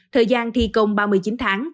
thời gian thi công ba mươi chín tháng